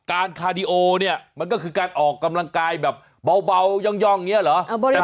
คาดิโอเนี่ยมันก็คือการออกกำลังกายแบบเบาย่องอย่างนี้เหรอ